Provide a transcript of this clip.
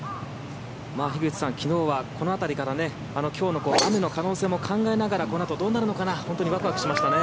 樋口さん、昨日はこの辺りから今日の雨の可能性も考えながらこのあとどうなるのかなと本当にワクワクしましたね。